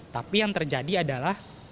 tapi yang terjadi adalah